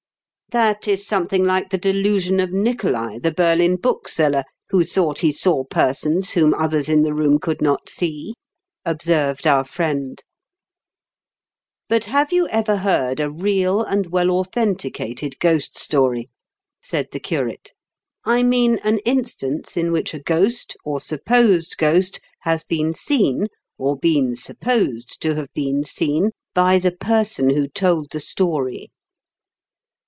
" That is something like the delusion of Nicolai, the Berlin bookseller, who thought he saw persons whom others in the room could not see," observed our friend. " But have you ever heard a real and weU 170 IN KENT WITH 0HABLE8 DICKENS. authenticated ghost story?" said. the curate. "I mean an instance in which a ghost, or supposed ghost, has been seen, or been sup posed to have been seen, by the person who told the story."